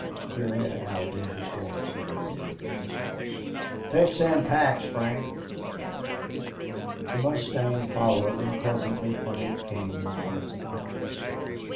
He led Allie and his horse away a little distance. "Fetch them packs, Frank," he called. The mustang followed, and presently Frank came with one of the packs.